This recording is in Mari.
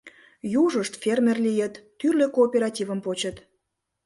Южышт фермер лийыт, тӱрлӧ кооперативым почыт.